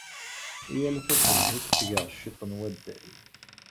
Yal taṣebḥit ttgeɣ cwiṭ n waddal.